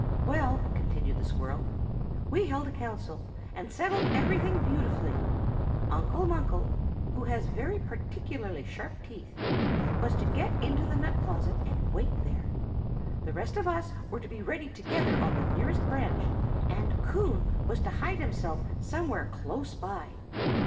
"Well," continued the squirrel, "we held a council, and settled everything beautifully. Uncle Munkle, who has very particularly sharp teeth, was to get into the nut closet and wait there. The rest of us were to be ready together on the nearest branch, and Coon was to hide himself somewhere close by.